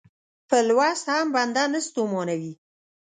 په لوست هم بنده نه ستومانوي.